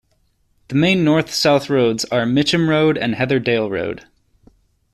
The main north-south roads are Mitcham Road and Heatherdale Road.